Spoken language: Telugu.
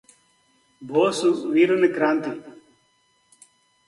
బోసు వీరుని క్రాంతి